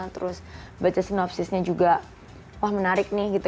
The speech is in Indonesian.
terus baca sinopsisnya juga wah menarik nih gitu